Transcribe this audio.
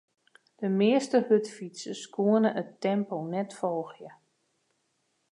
De measte hurdfytsers koene it tempo net folgje.